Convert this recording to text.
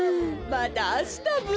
またあしたブ。